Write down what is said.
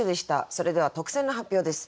それでは特選の発表です。